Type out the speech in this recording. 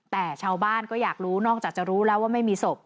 แต่ชาวบ้านก็อยากรู้นอกจากจะรู้แล้วว่าไม่มีศพ